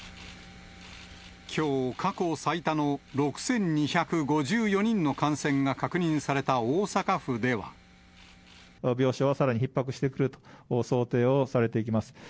きょう、過去最多の６２５４人の感染が確認された大阪府では。病床はさらにひっ迫してくると想定をされていきます。